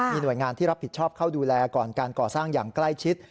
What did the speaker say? มีหน่วยงานที่รับผิดชอบเข้าดูแลก่อนการก่อสร้างอย่างใกล้ชิด